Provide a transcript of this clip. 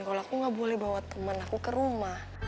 kalo aku gak boleh bawa temen aku ke rumah